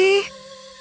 aku mau pergi